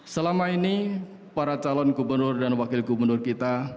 selama ini para calon gubernur dan wakil gubernur kita